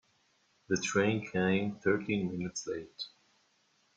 The train came thirteen minutes late.